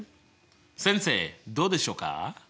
先生どうでしょうか？